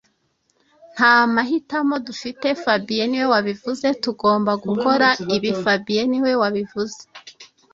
Nta mahitamo dufite fabien niwe wabivuze Tugomba gukora ibi fabien niwe wabivuze